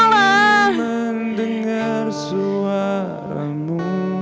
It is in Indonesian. masih mendengar suaramu